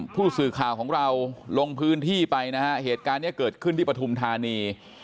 ผู้สื่อข่าวของเราลงพื้นที่ไปนะฮะเหตุการณ์นี้เกิดขึ้นที่ปฐุมธานี